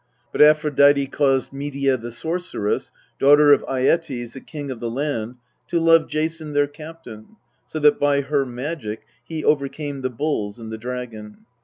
But Aphrodite caused Medea the sorceress, daughter of Aietes the king of the land, to love Jason their captain, so that by her magic he overcame the bulls and the dragon.